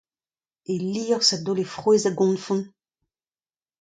E liorzh a daole frouezh a-goñfont.